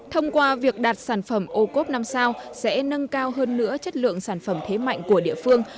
thông qua việc đạt sản phẩm ô cốp năm sao sẽ nâng cao hơn nữa chất lượng sản phẩm thế mạnh của địa phương